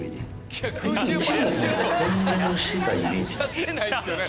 やってないっすよね